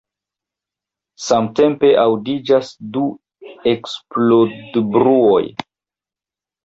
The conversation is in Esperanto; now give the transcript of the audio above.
Samtempe aŭdiĝas du eksplodbruoj.